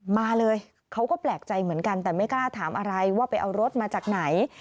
มาเลยเขาก็แปลกใจเหมือนกันแต่ไม่กล้าถามอะไรว่าไปเอารถมาจากไหน